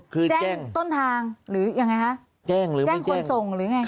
คือแจ้งต้นทางหรือยังไงฮะแจ้งหรือไม่แจ้งแจ้งคนทรงหรือยังไง